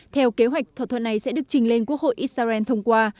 theo kế hoạch thỏa thuận này sẽ được trình lên quốc hội israel thông qua